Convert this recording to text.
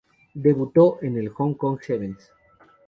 Debutó en el Hong Kong Sevens.